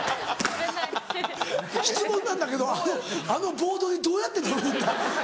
「質問なんだけどあのボードにどうやって乗るんだ？」。